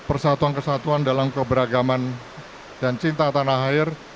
persatuan kesatuan dalam keberagaman dan cinta tanah air